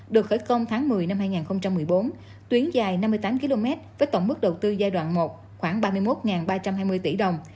được khởi công tháng một mươi năm hai nghìn một mươi bốn tuyến dài năm mươi tám km với tổng mức đầu tư giai đoạn một khoảng ba mươi một ba trăm hai mươi tỷ đồng